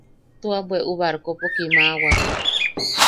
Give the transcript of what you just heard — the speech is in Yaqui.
Tua bweʼu barkopo kimawak.